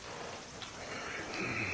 うん。